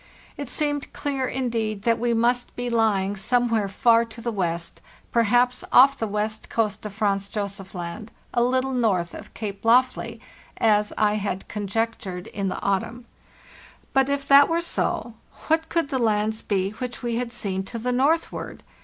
It seemed clear, indeed, that we must be lying somewhere far to the west, perhaps off the west coast of Franz Josef Land, a little north of Cape Lofley, as I had conjectured in the autumn. But, if that were so, what could the lands be which we had seen to the northward?